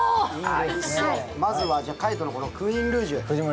まずは海音のクイーンルージュ。